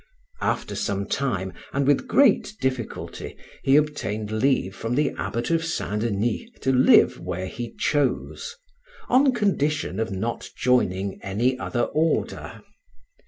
After some time, and with great difficulty, he obtained leave from the abbot of St. Denis to live where he chose, on condition of not joining any other order.